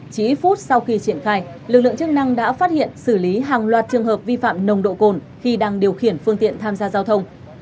chỉ ít phút sau khi triển khai lực lượng chức năng đã phát hiện xử lý hàng loạt trường hợp vi phạm nồng độ cồn khi đang điều khiển phương tiện tham gia giao thông